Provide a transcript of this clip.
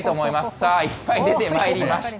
さあいっぱい出てまいりました。